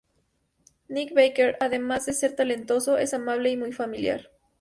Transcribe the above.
Nick Baker además de ser talentoso, es amable y muy familiar.